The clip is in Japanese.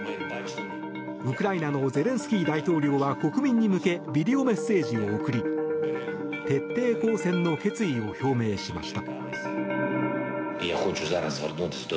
ウクライナのゼレンスキー大統領は国民に向けビデオメッセージを送り徹底抗戦の決意を表明しました。